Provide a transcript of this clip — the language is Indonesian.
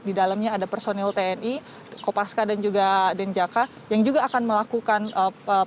di dalamnya ada personil tni kopaska dan juga denjaka yang juga akan melakukan penyelidikan